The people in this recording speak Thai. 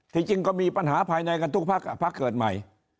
ที่จึงก็มีปัญหาภายในกันทุกภักดิ์ภักดิ์เกิดใหม่